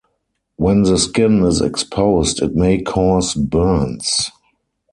When the skin is exposed it may cause burns.